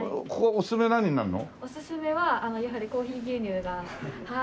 おすすめはやはりコーヒー牛乳がはい。